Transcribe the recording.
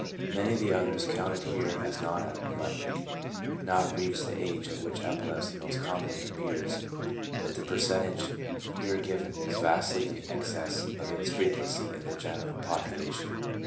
Many of the others counted here as non epileptic had not reached the age at which epilepsy most commonly appears, but the percentage here given is vastly in excess of its frequency in the general population.